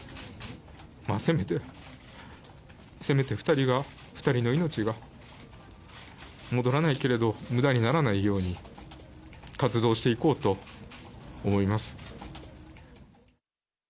せめて、せめて２人が、２人の命が戻らないけれど、むだにならないように、活動していこうと思います。